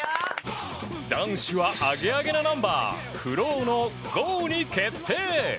男子はアゲアゲのナンバーＦＬＯＷの「ＧＯ！！！」に決定。